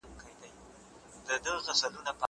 زه لاس نه پرېولم؟!